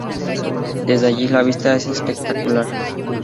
Desde allí la vista es espectacular.